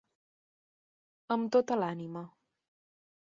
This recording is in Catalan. Amb tota l'ànima.